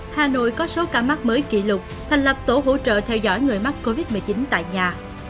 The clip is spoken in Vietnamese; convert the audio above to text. hà nội có số ca mắc mới kỷ lục thành lập tổ hỗ trợ theo dõi người mắc covid một mươi chín tại nhà